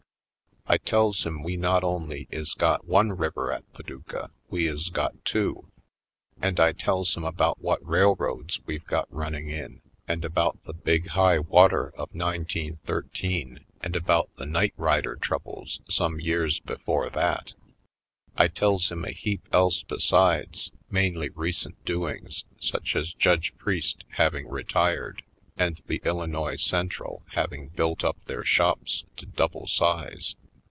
I tells him we not only is got one river at Paducah, we is got two; and I tells him about what rail roads we've got running in; and about the big high water of 1913, and about the night rider troubles some years before that. I tells him a heap else besides; mainly re cent doings, such as Judge Priest having retired, and the Illinois Central having built up their shops to double size.